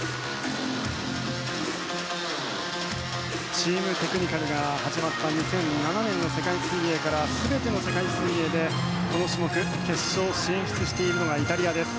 チームテクニカルが始まった２００７年の世界水泳から全ての世界水泳でこの種目決勝進出しているのがイタリアです。